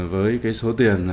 với số tiền